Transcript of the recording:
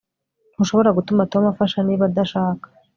Ntushobora gutuma Tom afasha niba adashaka